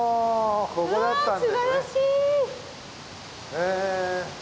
へえ。